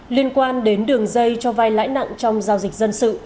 liên quan đến đường dây cho vai lãi nặng trong giao dịch dân sự